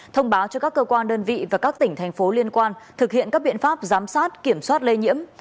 thông báo cho các cơ quan đơn vị và các tỉnh thành phố liên quan thực hiện các biện pháp giám sát kiểm soát lây nhiễm